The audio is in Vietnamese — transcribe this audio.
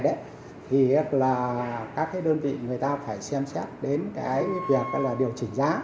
thì các đơn vị người ta phải xem xét đến việc điều chỉnh giá